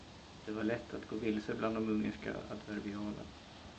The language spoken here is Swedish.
Det var lätt att gå vilse bland de ungerska adverbialen.